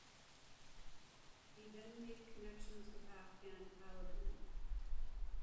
He then made connections with Afghan Taliban.